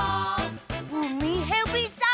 「ウミヘビさん」